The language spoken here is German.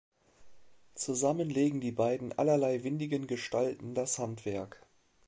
Zusammen legen die beiden allerlei windigen Gestalten das Handwerk.